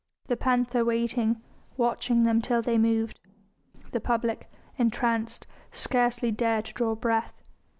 The panther waiting, watched them till they moved. The public, entranced, scarcely dared to draw breath.